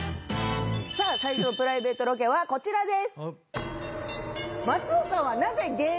さあ最初のプライベートロケはこちらです。